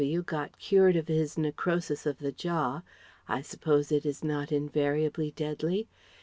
W. got cured of his necrosis of the jaw I suppose it is not invariably deadly?